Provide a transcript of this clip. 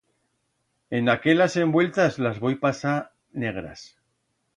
En aquelas envueltas las voi pasar negras.